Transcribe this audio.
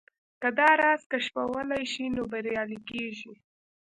که دا راز کشفولای شئ نو بريالي کېږئ.